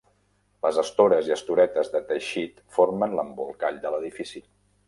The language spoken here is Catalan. Les estores i estoretes de teixit formen l'embolcall de l'edifici.